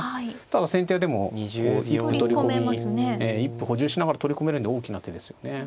ただ先手はでもこう一歩取り込み一歩補充しながら取り込めるんで大きな手ですよね。